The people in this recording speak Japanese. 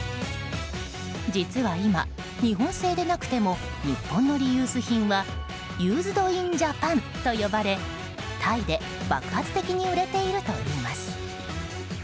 実は今、日本製でなくても日本のリユース品はユーズド・イン・ジャパンと呼ばれタイで爆発的に売れているといいます。